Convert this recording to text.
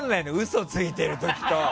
嘘ついてる時と。